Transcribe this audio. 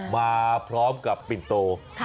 มาพร้อมกับปิ่นโต